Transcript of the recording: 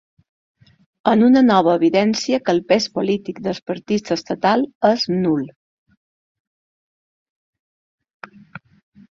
En una nova evidència que el pes polític dels partits estatals és nul.